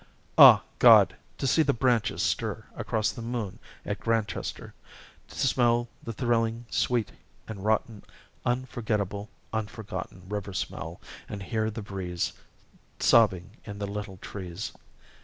"'Ah, God! to see the branches stir Across the moon at Grantchester! To smell the thrilling sweet and rotten Unforgettable, unforgotten River smell, and hear the breeze Sobbing in the little trees.